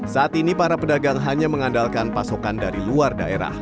saat ini para pedagang hanya mengandalkan pasokan dari luar daerah